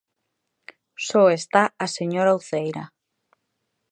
Só está a señora Uceira.